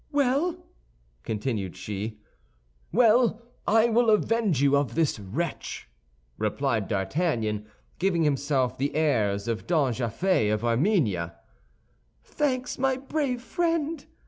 "Well?" continued she. "Well, I will avenge you of this wretch," replied D'Artagnan, giving himself the airs of Don Japhet of Armenia. "Thanks, my brave friend!"